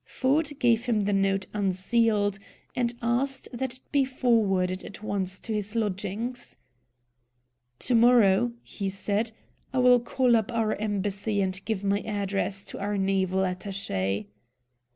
Ford gave him the note, unsealed, and asked that it be forwarded at once to his lodgings. "To morrow," he said, "I will call up our Embassy, and give my address to our Naval Attache.